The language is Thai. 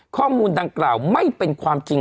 ข้อมูลดังกล่าวไม่เป็นความจริง